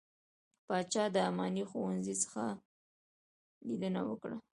پاچا د اماني ښوونځي څخه څخه ليدنه وکړه .